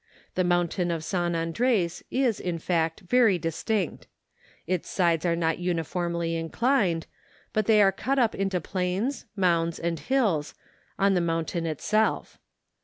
The mountain of San Andres is, in fact, very distinct. Its sides are not uniformly inclined; but they are cut up into plains, mounds, and hills, on the mountain itself.